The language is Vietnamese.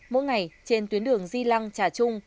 mỗi ngày trên tuyến đường di lăng trà trung